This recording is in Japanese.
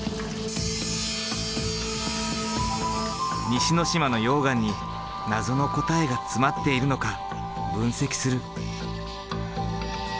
西之島の溶岩に謎の答えが詰まっているのか分析する。